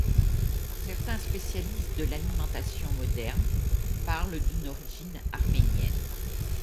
Certains spécialistes de l'alimentation modernes parlent d'une origine arménienne.